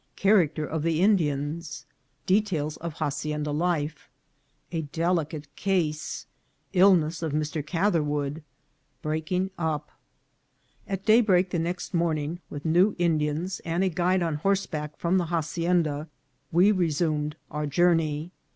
— Character of the Indians.— Details of Hacienda Life.— A delicate Case. — illness of Mr. Catherwood. — Breaking up. AT daybreak the next morning, with new Indians and a guide on horseback from the hacienda, we resu med our journey.